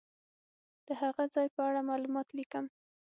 د هغه ځای په اړه معلومات لیکم.